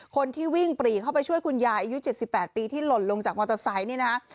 คนที่วิ่งปรีเข้าไปช่วยคุณยายอายุ๗๘ปีที่หล่นลงจากมอเตอร์ไซค์นี่นะฮะ